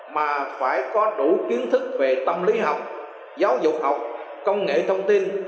mà phải có đủ kiến thức về tâm lý học giáo dục học công nghệ thông tin